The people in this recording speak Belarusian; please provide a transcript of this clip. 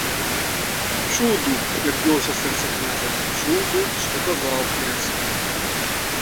Чуў дуб, як білася сэрца князя, чуў дуб, што казаў князь.